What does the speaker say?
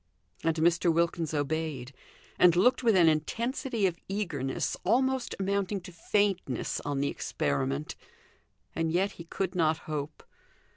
And Mr. Wilkins obeyed, and looked with an intensity of eagerness almost amounting to faintness on the experiment, and yet he could not hope.